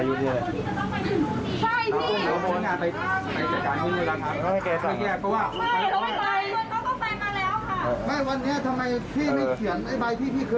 ใช่พี่